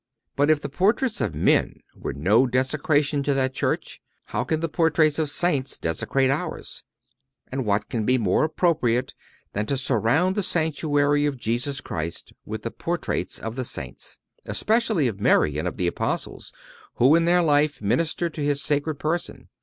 But if the portraits of men were no desecration to that church, how can the portraits of Saints desecrate ours?(279) And what can be more appropriate than to surround the Sanctuary of Jesus Christ with the portraits of the Saints, especially of Mary and of the Apostles, who, in their life, ministered to His sacred person?